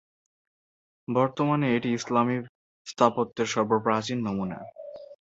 বর্তমানে এটি ইসলামী স্থাপত্যের সর্বপ্রাচীন নমুনা।